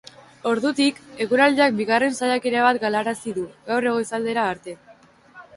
Ordutik, eguraldiak bigarren saiakera bat galarazi du, gaur goizaldera arte.